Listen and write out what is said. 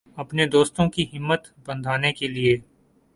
اپنے دوستوں کی ہمت بندھانے کے لئے